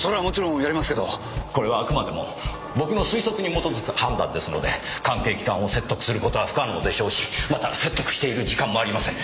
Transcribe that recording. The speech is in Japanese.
これはあくまでも僕の推測に基づく判断ですので関係機関を説得する事は不可能でしょうしまた説得している時間もありません。